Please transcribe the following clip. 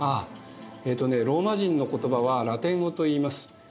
ローマ人の言葉はラテン語といいます。